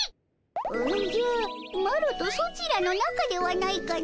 おじゃマロとソチらの仲ではないかの。